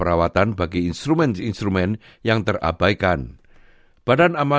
ada banyak jenis jenis jenis musik yang terjangkau